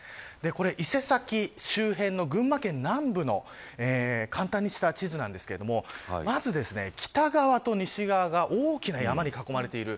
伊勢崎周辺の群馬県南部を簡単にした地図なんですがまず北側と西側が大きな山に囲まれている。